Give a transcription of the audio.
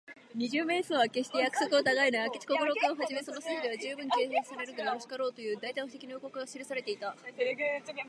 二十面相は、けっして約束をたがえない。明智小五郎君をはじめ、その筋では、じゅうぶん警戒されるがよろしかろう、という大胆不敵の予告が記されていた。